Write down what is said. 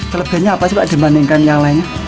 kelebihannya apa sih pak dibandingkan yang lainnya